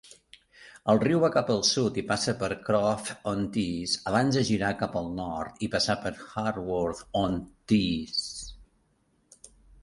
El riu va cap al sud i passa per Croft-on-Tees abans de girar cap al nord i passar per Hurworth-on-Tees.